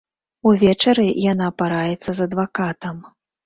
Увечары яна параіцца з адвакатам.